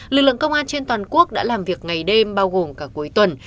lực lượng công an trên toàn quốc đã làm việc ngày đêm bao gồm cả cuối tuần